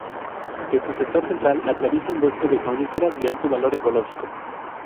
En su sector central atraviesa un bosque de coníferas de alto valor ecológico.